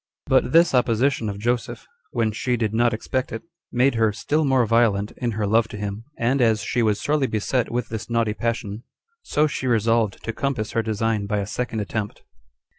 But this opposition of Joseph, when she did not expect it, made her still more violent in her love to him; and as she was sorely beset with this naughty passion, so she resolved to compass her design by a second attempt.